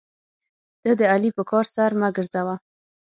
ته د علي په کار سر مه ګرځوه.